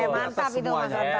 mantap itu mas anta